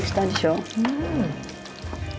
うん。